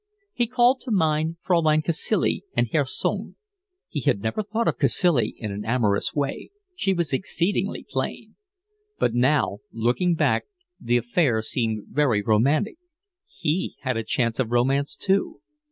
He called to mind Fraulein Cacilie and Herr Sung. He had never thought of Cacilie in an amorous way, she was exceedingly plain; but now, looking back, the affair seemed very romantic. He had a chance of romance too.